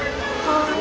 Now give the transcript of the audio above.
はい。